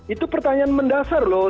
itu pertanyaan mendasar loh